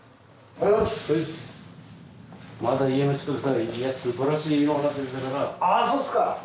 ああそうっすか。